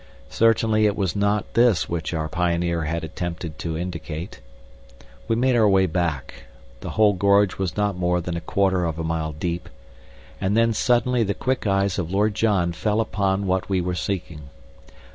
Certainly it was not this which our pioneer had attempted to indicate. We made our way back the whole gorge was not more than a quarter of a mile deep and then suddenly the quick eyes of Lord John fell upon what we were seeking.